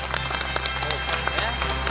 そうですよね。